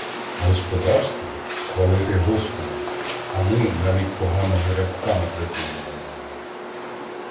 Господарство — хвалити Господа, а ми навіть поганого рябка на припоні не маємо.